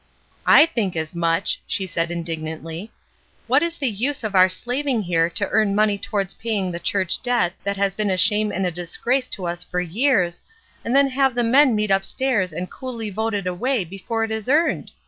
''I think as much!" she said indignantly. "What is the use of our slaving here to earn money towards paying the church debt that has been a shame and a disgrace to us for years, and then have the men meet upstairs and coolly vote it away before it is earned!